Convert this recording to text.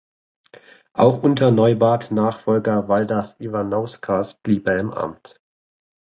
Auch unter Neubarth Nachfolger Valdas Ivanauskas blieb er im Amt.